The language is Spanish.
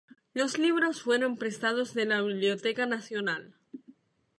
Los libros fueron prestados de la Biblioteca Nacional.